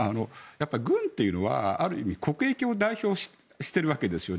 軍というのは、ある意味、国益を代表しているわけですよね。